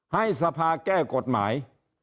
ให้สภาแก้กฎหมาย